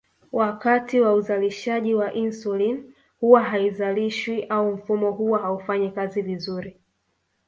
Wakati wa uzalishaji wa insulini huwa haizalishwi au mfumo huwa haufanyi kazi vizuri